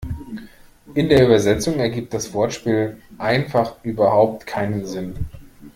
In der Übersetzung ergibt das Wortspiel einfach überhaupt keinen Sinn.